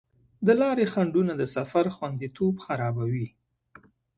د لارې خنډونه د سفر خوندیتوب خرابوي.